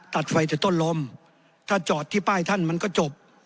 ท่านจะจอดที่ป้ายท่านมันก็จบ